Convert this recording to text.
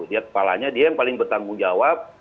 dia kepalanya dia yang paling bertanggung jawab